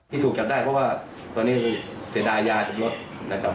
ที่ถูกกับได้เพราะว่าตอนนี้เสดายาจากรถ